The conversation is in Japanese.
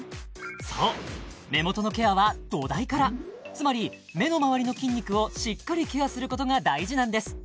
そう目元のケアは土台からつまり目のまわりの筋肉をしっかりケアすることが大事なんです